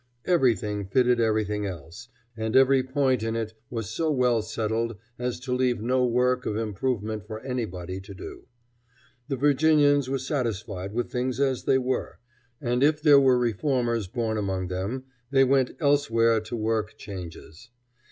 Everything fitted everything else, and every point in it was so well settled as to leave no work of improvement for anybody to do. The Virginians were satisfied with things as they were, and if there were reformers born among them, they went elsewhere to work changes.